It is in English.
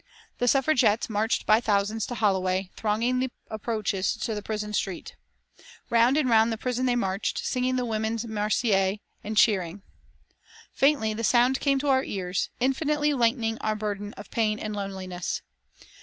The Suffragettes marched by thousands to Holloway, thronging the approaches to the prison street. Round and round the prison they marched, singing the Women's Marseillaise and cheering. Faintly the sound came to our ears, infinitely lightening our burden of pain and loneliness.